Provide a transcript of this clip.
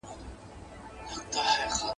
سلا د مړو هنر دئ.